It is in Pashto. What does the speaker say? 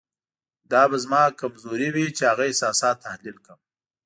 دا به زما کمزوري وي چې هغه احساسات تحلیل کړم.